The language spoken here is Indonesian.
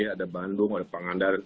ada bandung ada pangandaran